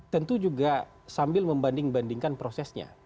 tentu juga sambil membanding bandingkan prosesnya